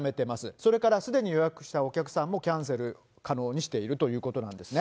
それからすでに予約したお客さんもキャンセル可能にしているということなんですね。